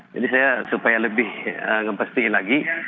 jadi saya supaya lebih ngepastikan lagi